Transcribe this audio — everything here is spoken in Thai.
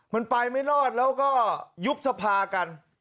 มันไปไม่รอดแล้วก็ยุบสภากัน